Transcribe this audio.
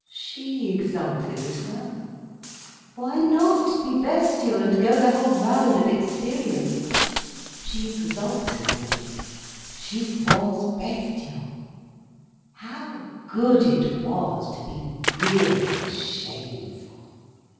She exulted as well. Why not be bestial, and go the whole round of experience? She exulted in it. She was bestial. How good it was to be really shameful!